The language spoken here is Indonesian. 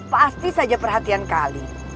pasti saja perhatian kali